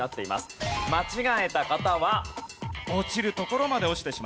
間違えた方は落ちるところまで落ちてしまいます。